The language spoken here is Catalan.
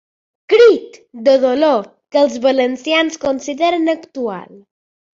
Crit de dolor que els valencians consideren actual.